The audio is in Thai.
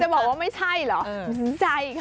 จะบอกว่าไม่ใช่เหรอใช่ครับ